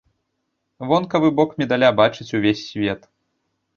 Вонкавы бок медаля бачыць увесь свет.